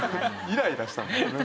イライラしたんですね。